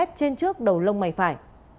trên trước đầu lông mày phải